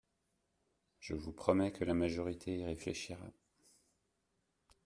Je vous promets que la majorité y réfléchira.